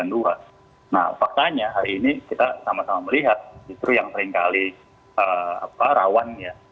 nah faktanya hari ini kita sama sama melihat justru yang seringkali rawan ya